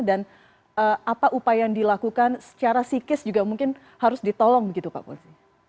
dan apa upaya yang dilakukan secara psikis juga mungkin harus ditolong begitu pak wakapolres